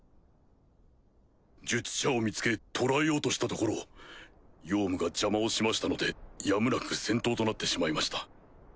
術者を見つけ捕らえようとしたところヨウムが邪魔をしましたのでやむなく戦闘となってしまいました。